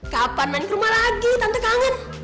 kapan main ke rumah lagi tante kangen